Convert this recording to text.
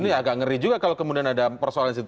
ini agak ngeri juga kalau kemudian ada persoalan di situ